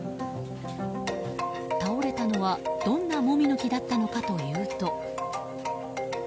倒れたのは、どんなモミの木だったのかというと。